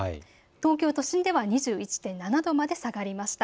東京都心では２１．７度まで下がりました。